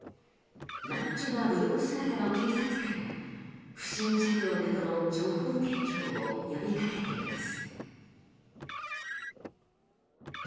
マッチョなブドウ姿の警察官が不審車両などの情報提供を呼び掛けています。